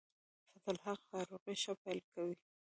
فضل الحق فاروقي ښه پیل کوي.